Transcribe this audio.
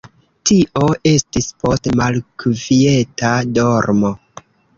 Tio estis post malkvieta dormo.